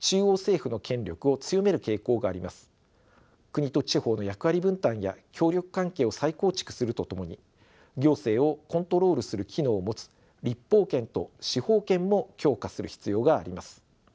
国と地方の役割分担や協力関係を再構築するとともに行政をコントロールする機能を持つ立法権と司法権も強化する必要があります。